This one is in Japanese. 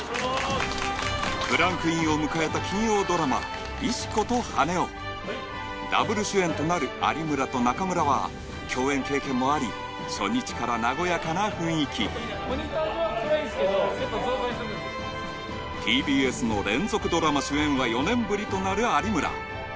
クランクインを迎えた金曜ドラマ「石子と羽男」Ｗ主演となる有村と中村は共演経験もあり初日から和やかな雰囲気ＴＢＳの連続ドラマ主演は４年ぶりとなる有村